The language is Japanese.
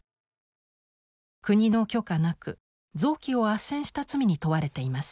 国の許可なく臓器をあっせんした罪に問われています。